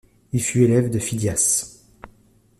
Il fut élève de Phidias.